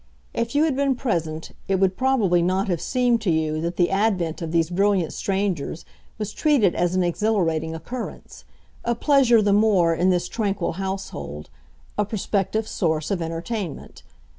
If you had been present, it would probably not have seemed to you that the advent of these brilliant strangers was treated as an exhilarating occurrence, a pleasure the more in this tranquil household, a prospective source of entertainment.